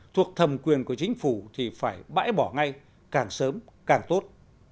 thuộc thẩm quyền của chính phủ thì phải bãi bỏ ngay càng sớm càng tốt